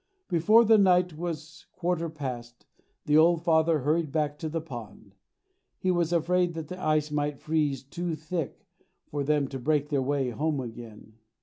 Before the night was quarter past the old father hurried back to the pond. He was afraid that the ice might freeze too thick for them to break their way home again.